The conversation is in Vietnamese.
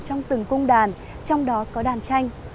trong từng cung đàn trong đó có đàn tranh